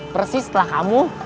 persis lah kamu